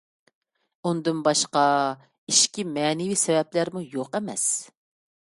ئۇندىن باشقا، ئىچكى مەنىۋى سەۋەبلەرمۇ يوق ئەمەس.